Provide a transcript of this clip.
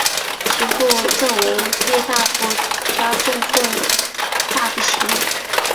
其父赠为朝列大夫加中奉大夫衔。